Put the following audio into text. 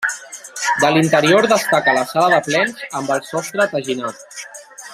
De l'interior destaca la sala de plens amb el sostre teginat.